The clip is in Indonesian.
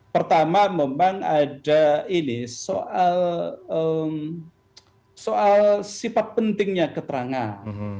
pertama memang ada ini soal sifat pentingnya keterangan